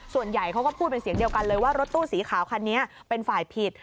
ส่วนใหญ่เขาก็พูดเป็นเสียงเดียวกันเลยว่ารถตู้สีขาวคันนี้เป็นฝ่ายผิด